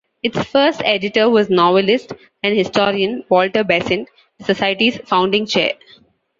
Its first editor was novelist and historian Walter Besant, the Society's founding Chair.